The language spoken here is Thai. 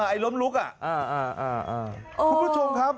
ไอ้ล้มลุกอ่ะคุณผู้ชมครับ